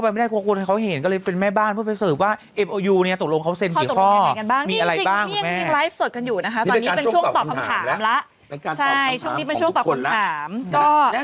หมดมิตรหนึ่งอ้าวเพราะว่าเมื่อกี้จะเป็นนักข่าว